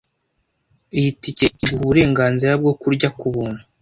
Iyi tike iguha uburenganzira bwo kurya kubuntu.